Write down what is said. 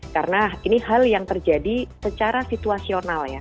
karena ini hal yang terjadi secara situasional ya